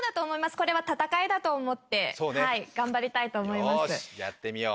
これは戦いだと思って頑張りたいと思いますよーしやってみよう